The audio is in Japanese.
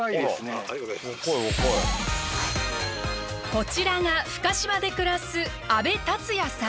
こちらが深島で暮らす安部達也さん。